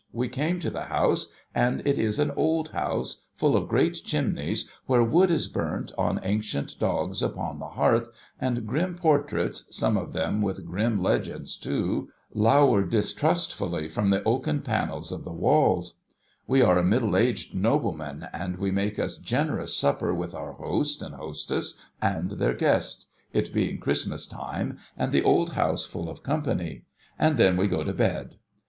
We came to the house, and it is an old house, full of great chimneys where wood is burnt on ancient dogs upon the hearth, and grim portraits (some of them with grim legends, too) .lower distrustfully from the oaken panels of the walls. We are a middle aged nobleman, and we make a generous supper with our host and hostess and their guests — it being Christmas time, and the old house full of company — and then we go to bed.